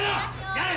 やれ！